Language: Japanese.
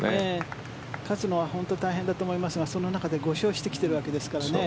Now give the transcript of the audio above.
勝つのは本当に大変だと思いますがその中で５勝してきているわけですからね。